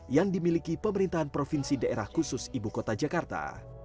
yang dimiliki pemerintahan provinsi daerah khusus ibu kota jakarta